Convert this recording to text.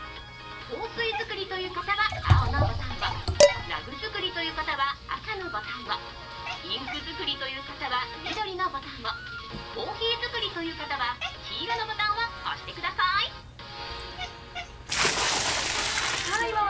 香水作りという方は青のボタンをラグ作りという方は赤のボタンをインク作りという方は緑のボタンをコーヒー作りという方は黄色のボタンを押してください。